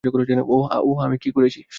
ওওহ, ওওহ আমি কি করেছি?